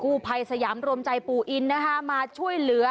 กู้ภัยสยามรวมใจปู่อินนะคะมาช่วยเหลือ